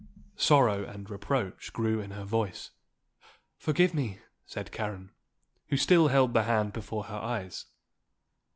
Sorrow and reproach grew in her voice. "Forgive me," said Karen, who still held the hand before her eyes.